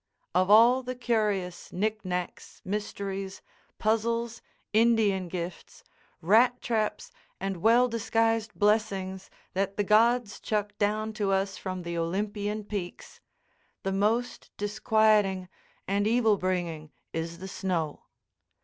Of all the curious knickknacks, mysteries, puzzles, Indian gifts, rat traps, and well disguised blessings that the gods chuck down to us from the Olympian peaks, the most disquieting and evil bringing is the snow.